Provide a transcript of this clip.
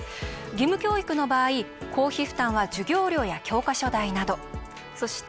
義務教育の場合、公費負担は授業料や教科書代など。